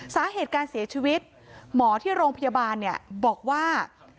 สาเหตุการเสียชีวิตหมอที่โรงพยาบาลบอกว่า